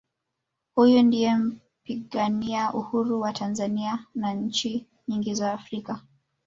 huyu ndiye mpigania Uhuru wa tanzania na nchi nyingi za africa